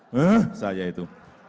hah saya itu